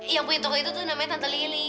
yang punya toko itu tuh namanya tante lili